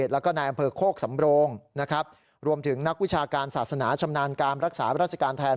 แล้วก็นายอำเภอโคกสำโรงนะครับรวมถึงนักวิชาการศาสนาชำนาญการรักษาราชการแทน